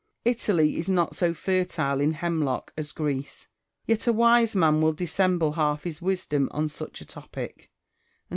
Italy is not so fertile in hemlock as Greece ; yet a wise man will dissemble half his wisdom on such a topic ; and.